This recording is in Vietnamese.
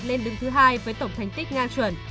lên đứng thứ hai với tổng thành tích ngang chuẩn